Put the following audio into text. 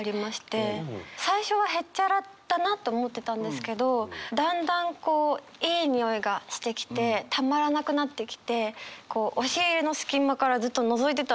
最初はへっちゃらだなと思ってたんですけどだんだんこういい匂いがしてきてたまらなくなってきてこう押し入れの隙間からずっとのぞいてたんですけど食卓を。